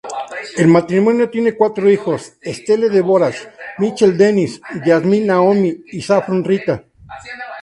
El matrimonio tiene cuatro hijos: Estelle Deborah, Mitchel Dennis, Yasmin Naomi y Saffron Rita.